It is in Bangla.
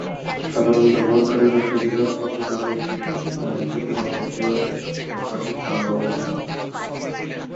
সাধারণ ব্যবহারকারীর সুবিধার কথা ভেবেও বিশ শতকে অনেকগুলি জনপ্রিয় একভাষিক বাংলা অভিধান প্রকাশিত হয়।